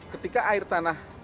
ketika air tanah ini berlebihan